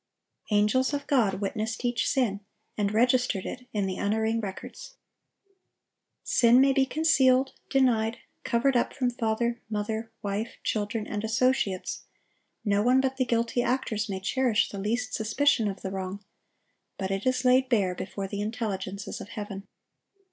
Angels of God witnessed each sin, and registered it in the unerring records. Sin may be concealed, denied, covered up from father, mother, wife, children, and associates; no one but the guilty actors may cherish the least suspicion of the wrong; but it is laid bare before the intelligences of heaven.